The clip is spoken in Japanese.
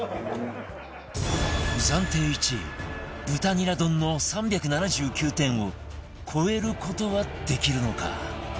暫定１位豚ニラ丼の３７９点を超える事はできるのか？